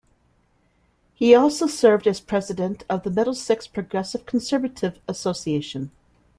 He also served as president of the Middlesex Progressive Conservative Association.